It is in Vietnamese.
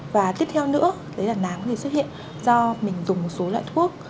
và tiếp theo nữa đấy là nám có thể xuất hiện do mình dùng một số loại thuốc